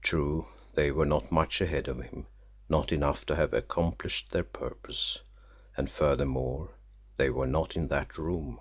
True, they were not much ahead of him, not enough to have accomplished their purpose and, furthermore, they were not in that room.